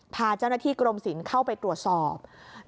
พาเจ้าหน้าที่กรมศิลป์เข้าไปตรวจสอบ